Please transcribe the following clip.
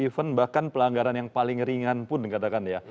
even bahkan pelanggaran yang paling ringan pun katakan ya